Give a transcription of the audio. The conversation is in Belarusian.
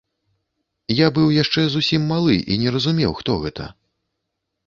Я быў яшчэ зусім малы і не разумеў, хто гэта.